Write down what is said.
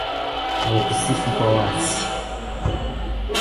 na kukusifu kwa wazazi